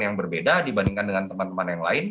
yang berbeda dibandingkan dengan teman teman yang lain